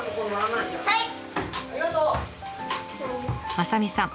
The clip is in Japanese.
雅美さん